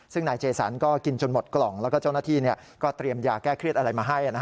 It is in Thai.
ซึ่งนายเจสันก็กินจนหมดกล่องแล้วก็เจ้าหน้าที่ก็เตรียมยาแก้เครียดอะไรมาให้